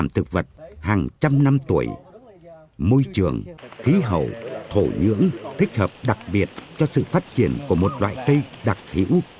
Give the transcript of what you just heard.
môi trường khí hậu thổ nhưỡng thích hợp đặc biệt cho sự phát triển của một loại cây đặc hữu